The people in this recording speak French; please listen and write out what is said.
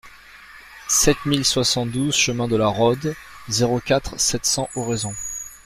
sept mille soixante-douze chemin de la Rhôde, zéro quatre, sept cents, Oraison